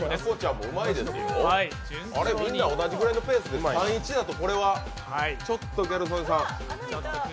あれ、みんな同じぐらいのペースで、３−１だとちょっと、ギャル曽根さん。